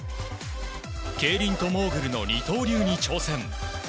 競輪とモーグルの二刀流に挑戦。